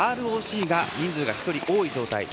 ＲＯＣが人数が１人多い状態。